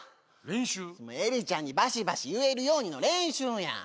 えりちゃんにバシバシ言えるようにの練習やん